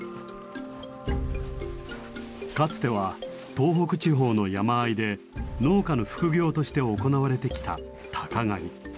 かつては東北地方の山あいで農家の副業として行われてきた鷹狩り。